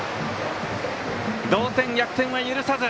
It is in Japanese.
同点、逆転は許さず。